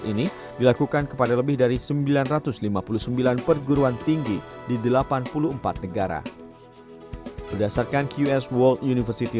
ini dilakukan kepada lebih dari sembilan ratus lima puluh sembilan perguruan tinggi di delapan puluh empat negara berdasarkan qs world university